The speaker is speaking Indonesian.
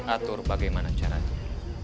atur bagaimana caranya